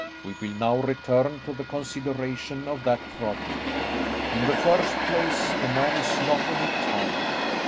We will now return to the consideration of that project. In the first place, the man is not an Italian.